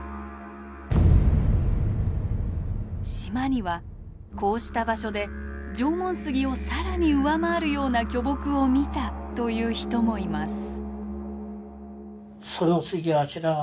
島にはこうした場所で縄文杉をさらに上回るような巨木を見たという人もいます。